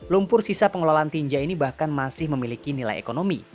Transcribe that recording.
lumpur sisa pengelolaan tinja ini bahkan masih memiliki nilai ekonomi